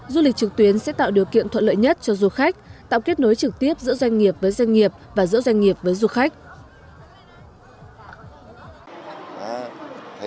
du lịch trực tuyến sẽ tạo điều kiện thuận lợi nhất cho du khách tạo kết nối trực tiếp giữa doanh nghiệp với doanh nghiệp và giữa doanh nghiệp với du khách